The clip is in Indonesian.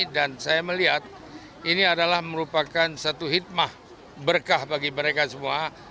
dan saya melihat ini adalah merupakan satu hitmah berkah bagi mereka semua